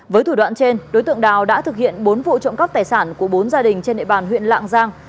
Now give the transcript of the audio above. với thủ đoạn trên đối tượng đào đã thực hiện bốn vụ trộm cắp tài sản của bốn gia đình trên địa bàn huyện lạng giang